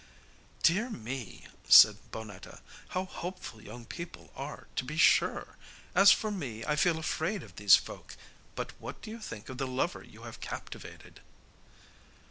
'Dear me,' said Bonnetta, 'how hopeful young people are to be sure! As for me I feel afraid of these folk. But what do you think of the lover you have captivated?